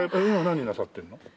今何なさってるの？